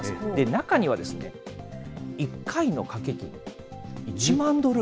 中には、１回の賭け金１万ドル、